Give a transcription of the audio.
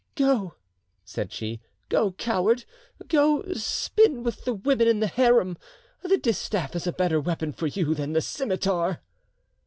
"Go!" said she, "go, coward! go spin with the women in the harem! The distaff is a better weapon for you than the scimitar!"